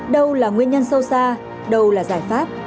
đâu là nguyên nhân sâu xa đâu là giải pháp